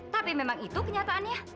tapi memang itu kenyataannya